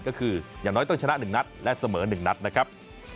ก็คืออย่างน้อยต้องชนะ๑นัดและเสมอ๑นัดนะครับ